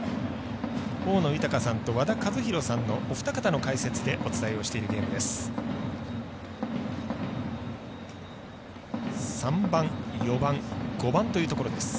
大野豊さんと、和田一浩さんのお二方の解説でお伝えをしているゲームです。